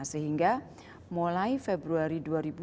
sehingga mulai februari dua ribu dua puluh